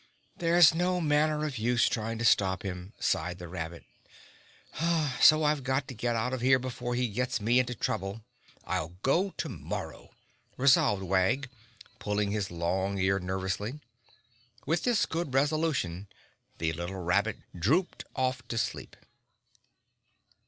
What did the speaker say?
"There's no manner of use trying to stop him," sighed the rabbit, "so I've got to get out of here before he gets me into trouble. I'll go to morrow!" resolved Wag, pulling his long ear nervously. With this good resolution, the little rabbit drooped off asleep.